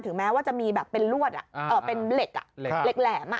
ถึงแม้ว่าจะมีแบบเป็นเล็กแหลม